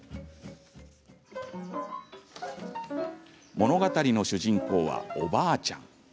物語の主人公は、おばあちゃん。